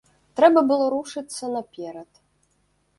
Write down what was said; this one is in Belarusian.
Трэба было рушыцца наперад.